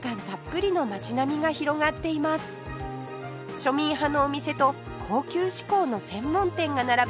庶民派のお店と高級志向の専門店が並ぶ